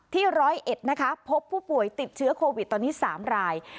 ๑๐๑นะคะพบผู้ป่วยติดเชื้อโควิดตอนนี้๓ราย